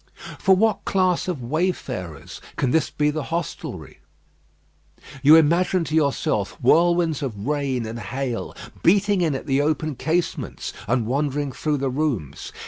For what class of wayfarers can this be the hostelry? You imagine to yourself whirlwinds of rain and hail beating in at the open casements, and wandering through the rooms.